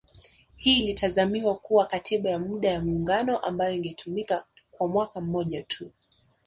Hii ilitazamiwa kuwa katiba ya muda ya muungano ambayo ingetumika kwa mwaka mmoja tu